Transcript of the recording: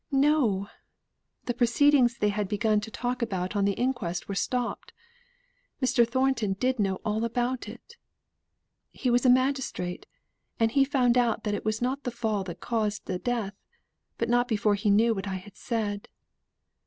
"No! the proceedings they had begun to talk about on the inquest were stopped. Mr. Thornton did know all about it. He was a magistrate, and he found out that it was not the fall that had caused the death. But not before he knew what I had said.